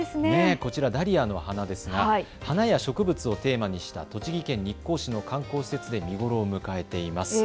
こちら、ダリアの花ですが、花や植物をテーマにした栃木県日光市の観光施設で見頃を迎えています。